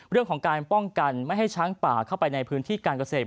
เรื่องของการป้องกันไม่ให้ช้างป่าเข้าไปในพื้นที่การเกษตร